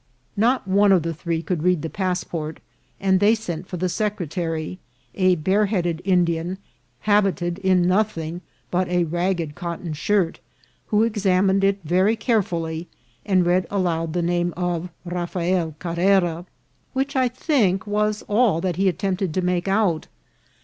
Not one of the three could read the passport, and they sent for the secretary, a bare headed Indian, habited in no thing but a ragged cotton shirt, who examined it very carefully, and read aloud the name of Rafael Carrera, which, I think, was all that he attempted to make out.